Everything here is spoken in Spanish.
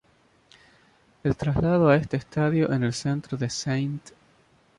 El traslado a este estadio en el centro de St.